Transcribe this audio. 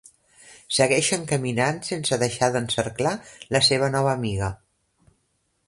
Segueixen caminant sense deixar d'encerclar la seva nova amiga.